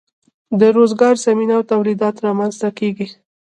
د روزګار زمینه او تولیدات رامینځ ته کیږي.